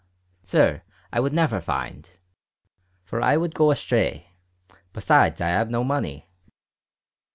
Sir, I would never find for I would go astray, besides i have no money."